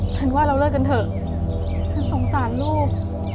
ฉันว่าเราเลิกกันเถอะฉันสงสารลูก